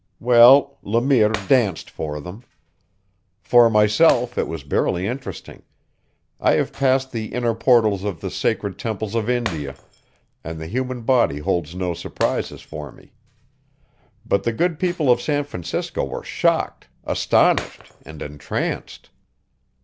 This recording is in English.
Well, Le Mire danced for them. For myself it was barely interesting; I have passed the inner portals of the sacred temples of India, and the human body holds no surprises for me. But the good people of San Francisco were shocked, astonished, and entranced.